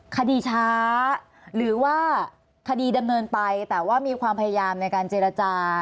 คดีช้าหรือว่าคดีดำเนินไปแต่ว่ามีความพยายามในการเจรจา